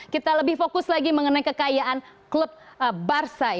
kita lebih fokus lagi mengenai kekayaan klub barcai